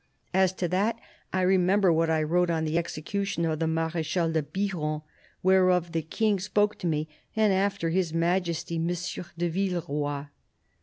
As to that, 1 remember what I wrote on the execution of the Marechal de Biron, whereof the King spoke to me, and after His Majesty Monsieur de Villeroy.